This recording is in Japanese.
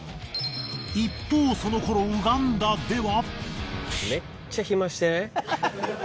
一方その頃ウガンダでは。